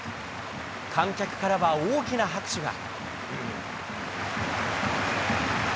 観客からは大きな拍手が。